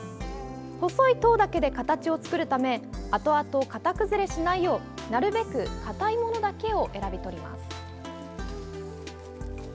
細い籐だけで形を作るため後々、型崩れしないようなるべく硬いものだけを選び取ります。